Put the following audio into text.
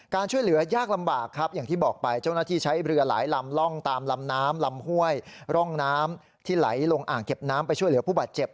ช่วยเหลือยากลำบากครับอย่างที่บอกไปเจ้าหน้าที่ใช้เรือหลายลำล่องตามลำน้ำลำห้วยร่องน้ำที่ไหลลงอ่างเก็บน้ำไปช่วยเหลือผู้บาดเจ็บ